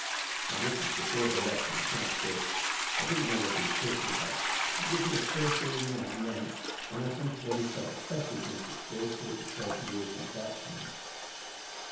"Now this was before Hiroshima, quite a bit. I didn't know what he was talking about, but it gives me a queer feeling now and then when I think of what he said, especially since it's still short of thirty years since that time.